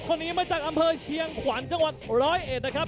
คนนี้มาจากอำเภอเชียงขวัญจังหวัดร้อยเอ็ดนะครับ